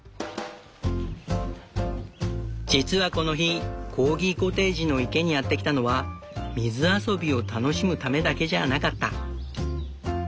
実はこの日コーギコテージの池にやって来たのは水遊びを楽しむためだけじゃあなかった。